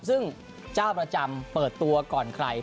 ซึ่งเจ้าประจำเปิดตัวก่อนใคร